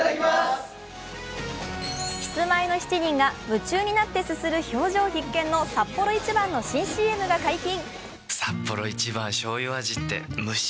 キスマイの７人が夢中になってすする表情必見のサッポロ一番の新ＣＭが解禁。